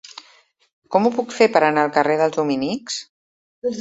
Com ho puc fer per anar al carrer dels Dominics?